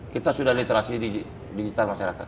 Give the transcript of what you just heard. kita sudah literasi digital masyarakat